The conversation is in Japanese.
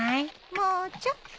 もうちょっと。